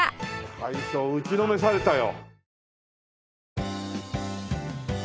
大将打ちのめされたよ。